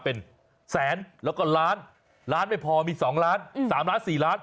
เป็นแสนแล้วก็ล้านล้านไม่พอมี๒ล้าน๓ล้าน๔ล้าน